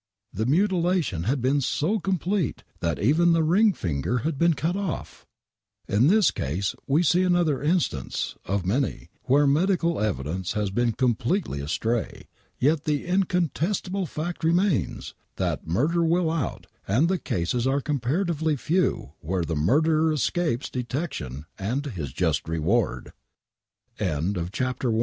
The mutilation had been so complete that even the ring finger had been cut off. In this case we see another instance — of many — ^where medical evidence has been completely astray, yet the incontestable fact remains, that '' murder will out," and the cases are comparatively few where the murderer e